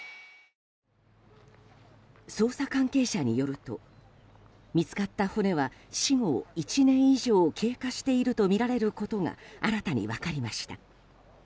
捜査関係者によると見つかった骨は死後１年以上経過しているとみられることが新たに分かりました。